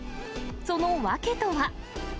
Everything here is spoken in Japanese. その訳とは。